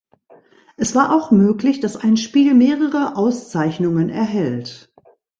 Es war auch möglich, dass ein Spiel mehrere Auszeichnungen erhält.